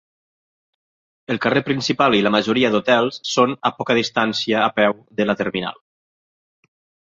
El carrer principal i la majoria d'hotels són a poca distància a peu de la terminal.